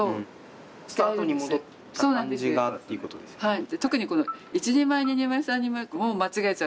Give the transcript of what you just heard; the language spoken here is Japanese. はい。